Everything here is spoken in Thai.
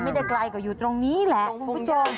ไม่ได้ไกลกว่าอยู่ตรงนี้แหละ